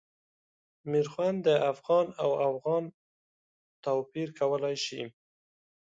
میرخوند د افغان او اوغان توپیر کولای شي.